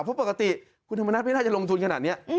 เพราะปกติคุณธรรมนัฐไม่น่าจะลงทุนขนาดนี้